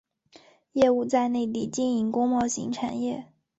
业务在内地经营工贸型产业。